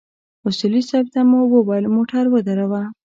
اصولي صیب ته مو وويل موټر ودروه.